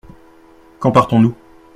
Quand partons-nous ?